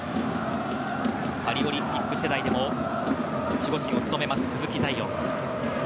パリオリンピック世代でも守護神を務めます、鈴木彩艶。